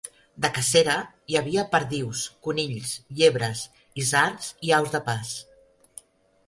De cacera, hi havia perdius, conills, llebres, isards i aus de pas.